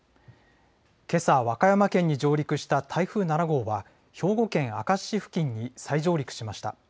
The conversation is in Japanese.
けさ、和歌山県に上陸した台風７号は、兵庫県明石市付近に再上陸しました。